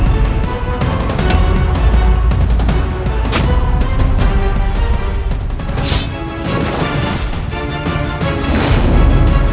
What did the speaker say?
terima kasih telah berikan diribound